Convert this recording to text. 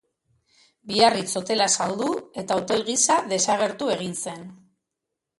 Biarritz Hotela saldu eta hotel gisa desagertu egin zen.